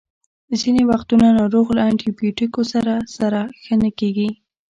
ځینې وختونه ناروغ له انټي بیوټیکو سره سره ښه نه کیږي.